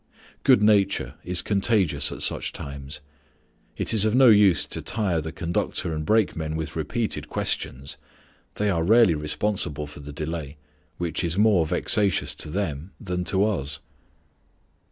Good nature is contagious at such times. It is of no use to tire the conductor and brakemen with repeated questions: they are rarely responsible for the delay, which is more vexatious to them than to us.